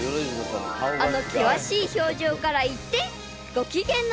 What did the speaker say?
［あの険しい表情から一転ご機嫌の様子］